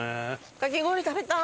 かき氷食べたい！